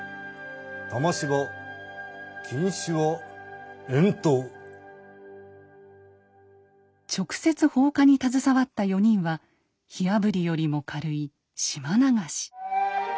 玉芝錦糸は直接放火に携わった４人は火あぶりよりも軽い島流し。